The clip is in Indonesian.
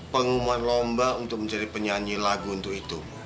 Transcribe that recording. pengumuman lomba untuk mencari penyanyi lagu untuk itu